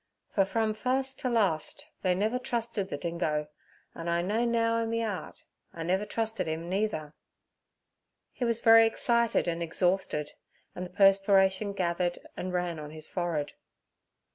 Fer frum fust t' last they never trusted ther dingo, an' I know now in me 'art I never trusted 'im neither.' He was very excited and exhausted, and the perspiration gathered and ran on his forehead.